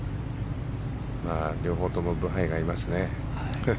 両方ともブハイがいますね。